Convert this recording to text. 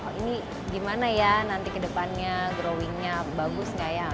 oh ini gimana ya nanti kedepannya growing nya bagusnya ya